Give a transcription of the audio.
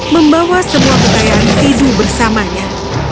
membawa semua kekayaan iju bersamanya